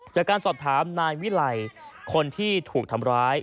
จากการสอบถามนายวิไลคนที่ถูกทำร้าย